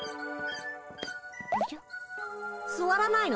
すわらないの？